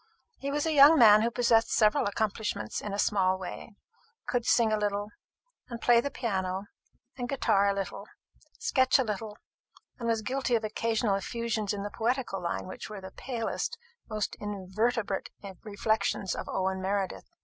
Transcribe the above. He was a young man who possessed several accomplishments in a small way could sing a little, and play the piano and guitar a little, sketch a little, and was guilty of occasional effusions in the poetical line which were the palest, most invertebrate reflections of Owen Meredith.